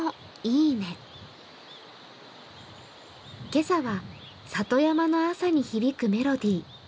今朝は里山の朝に響くメロディー。